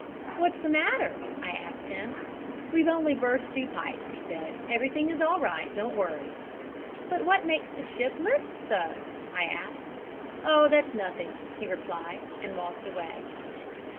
"'What is the matter?' I asked him. "'We've only burst two pipes,' he said. 'Everything is all right, don't worry.' "'But what makes the ship list so?' I asked. "'Oh, that's nothing,' he replied, and walked away.